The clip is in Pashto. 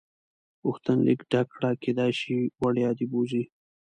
غوښتنلیک ډک کړه کېدای شي وړیا دې بوځي.